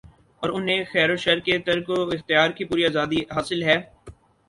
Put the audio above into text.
اور انھیں خیروشر کے ترک و اختیار کی پوری آزادی حاصل ہے